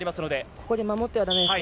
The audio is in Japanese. ここで守ってはだめですね。